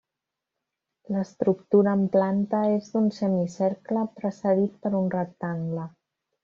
L'estructura en planta és d'un semicercle precedit per un rectangle.